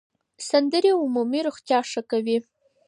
سندرې عمومي روغتیا ښه کوي.